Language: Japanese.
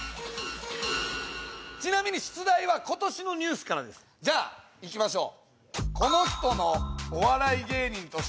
ちなみに出題は今年のニュースからじゃあいきましょう